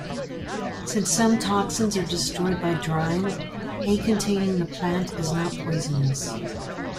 Since some toxins are destroyed by drying, hay containing the plant is not poisonous.